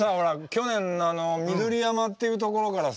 去年の緑山っていうところからさ。